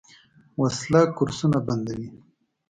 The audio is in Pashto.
وسله کورسونه بندوي